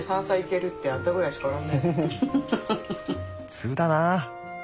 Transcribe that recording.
通だな！